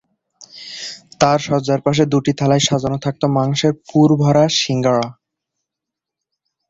তাঁর শয্যার পাশে দু’টি থালায় সাজানো থাকত মাংসের পুর ভরা শিঙাড়া।